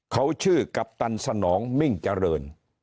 เขาชื่อกัปตันสนองมิ่งเจริญ